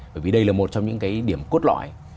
bởi vì đây là một trong những cái điểm cốt lõi